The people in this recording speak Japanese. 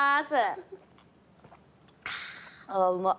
あうまっ。